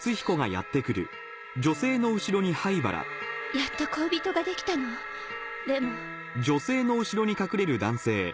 やっと恋人ができたのでも。